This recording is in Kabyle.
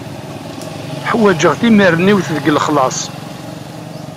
Ḥwajeɣ timerniwt deg lexlaṣ.